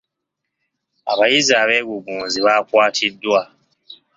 Abayizi abeegugunzi baakwatiddwa.